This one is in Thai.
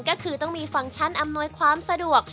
ก็คือต้องมีฟังก์ชั่นอำนวยความสะดวก